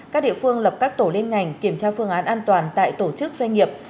các địa phương lập các tổ liên ngành kiểm tra phương án an toàn tại tổ chức doanh nghiệp